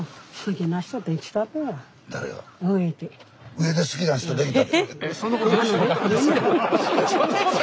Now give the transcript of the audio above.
上で好きな人できた？